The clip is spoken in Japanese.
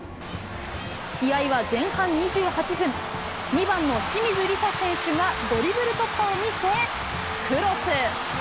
試合は前半２８分、２番の清水梨紗選手がドリブル突破を見せ、クロス。